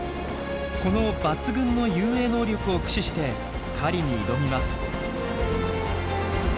この抜群の遊泳能力を駆使して狩りに挑みます。